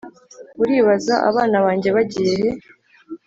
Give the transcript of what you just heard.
uribaza "abana banjye bagiye he?"